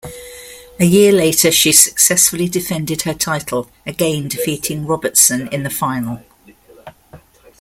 A year later, she successfully defended her title, again defeating Robertson in the final.